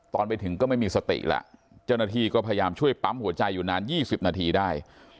ตอนไปถึงก็ไม่มีสติแล้วเจ้าหน้าที่ก็พยายามช่วยปั๊มหัวใจอยู่นาน๒๐นาทีได้